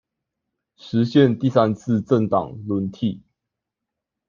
實現第三次政黨輪替